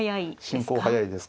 進行速いです。